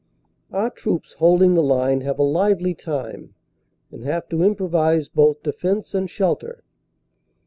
Our troops holding the line have a lively time, and have to improvise both defense and shelter.